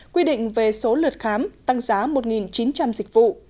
quy định về số lượt khám tăng giá một chín trăm linh dịch vụ